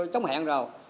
trống hẹn rồi